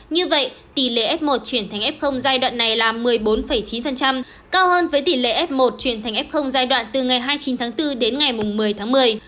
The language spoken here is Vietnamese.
như vậy tỷ lệ f một chuyển thành f giai đoạn này là một mươi bốn chín cao hơn với tỷ lệ f một chuyển thành f giai đoạn từ ngày hai mươi chín tháng bốn đến ngày một mươi tháng một mươi